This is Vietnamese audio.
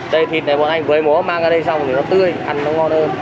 đây thịt này bọn anh với mổ mang ra đây xong thì nó tươi ăn nó ngon hơn